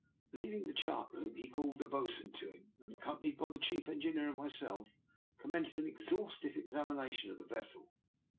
Leaving the chart room he called the bos'un to him, and, accompanied by the chief engineer and myself, commenced an exhaus tive examination of the vessel.